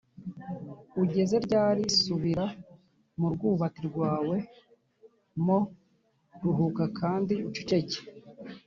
ugeze ryari Subira mu rwubati rwawe m Ruhuka kandi uceceke